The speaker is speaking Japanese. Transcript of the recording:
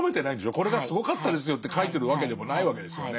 これがすごかったですよって書いてるわけでもないわけですよね。